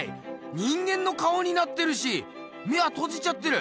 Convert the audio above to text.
人間の顔になってるし眼はとじちゃってる。